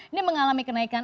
ini mengalami kenaikan